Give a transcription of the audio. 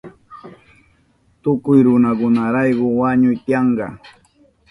Tukuy runakunarayku wañuy tiyanka.